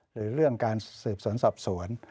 หรือเรื่องการสืบสวนสอบสวน